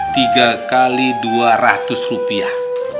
tiga x dua ratus rupiah